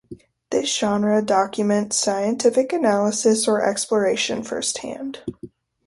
This genre documents scientific analysis or exploration firsthand.